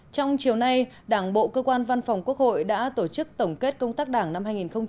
trong chiều nay đảng bộ cơ quan văn phòng quốc hội đã tổ chức tổng kết công tác đảng năm hai nghìn một mươi chín